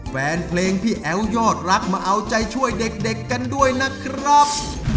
แฟนเพลงพี่แอ๋วยอดรักมาเอาใจช่วยเด็กกันด้วยนะครับ